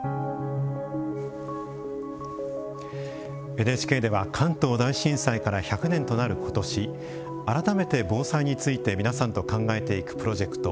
ＮＨＫでは関東大震災から１００年となる今年改めて防災について皆さんと考えていくプロジェクト